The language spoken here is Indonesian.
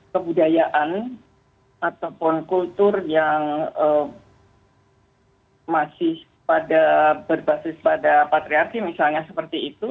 kebudayaan ataupun kultur yang masih berbasis pada patriarki misalnya seperti itu